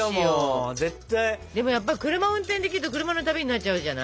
でもやっぱり車運転できると車の旅になっちゃうじゃない？